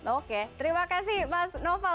oke terima kasih mas novel